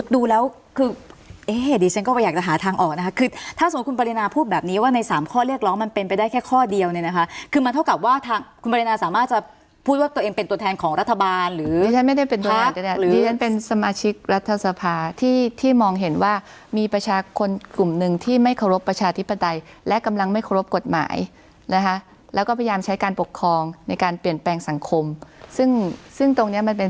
เดียวเนี่ยนะคะคือมันเท่ากับว่าทางคุณบรินาสามารถจะพูดว่าตัวเองเป็นตัวแทนของรัฐบาลหรือไม่ได้เป็นตัวแทนหรือเป็นสมาชิกรัฐสภาที่ที่มองเห็นว่ามีประชาคนกลุ่มหนึ่งที่ไม่เคารพประชาธิปไตรและกำลังไม่เคารพกฎหมายนะคะแล้วก็พยายามใช้การปกครองในการเปลี่ยนแปลงสังคมซึ่งซึ่งตรงนี้มันเป็